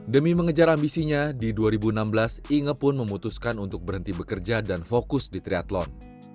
demi mengejar ambisinya di dua ribu enam belas inge pun memutuskan untuk berhenti bekerja dan fokus di triathlon